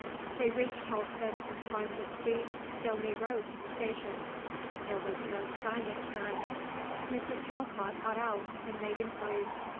They reached Helston and climbed the steep, stony road to the station. There was no sign of Karen. Mrs. Talcott got out and made inquiries.